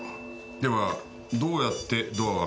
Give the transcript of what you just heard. ではどうやってドアを開けたんですか？